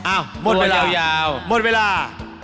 อ้าวหมดเวลาหมดเวลา